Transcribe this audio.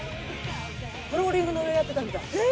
フローリングの上やってたみたい。